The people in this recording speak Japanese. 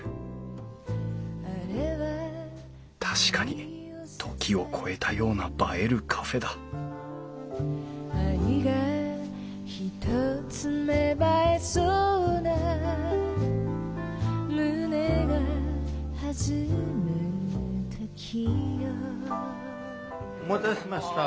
確かに「時を超えたような映えるカフェ」だお待たせしました。